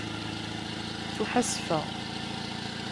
Ttuḥasfeɣ.